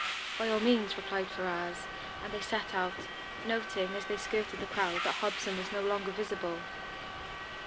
"By all means," replied Ferrars, and they set out, noting, as they skirted the crowd, that Hobson was no longer visible.